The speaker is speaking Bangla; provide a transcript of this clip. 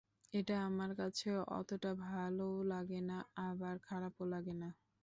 এটা আমার কাছে অতটা ভালোও লাগে না, আবার খারাপও লাগে না।